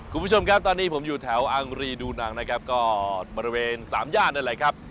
คุณผู้ชมครับตอนนี้ผมอยู่แถวอังรีดูนังนะครับก็บริเวณสามย่านนั่นแหละครับ